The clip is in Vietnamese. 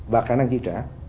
và khả năng chi trả